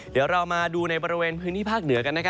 เดี๋ยวเรามาดูในบริเวณพื้นที่ภาคเหนือกันนะครับ